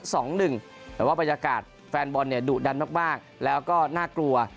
แต่ว่าบรรยากาศแฟนบอลเนี่ยดุดันมากแล้วก็น่ากลัว